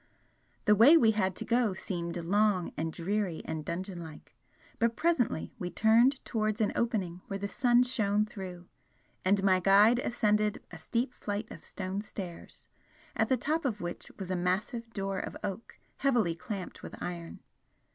The way we had to go seemed long and dreary and dungeon like, but presently we turned towards an opening where the sun shone through, and my guide ascended a steep flight of stone stairs, at the top of which was a massive door of oak, heavily clamped with iron.